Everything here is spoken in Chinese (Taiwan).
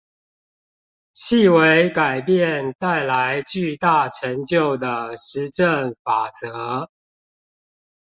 細微改變帶來巨大成就的實證法則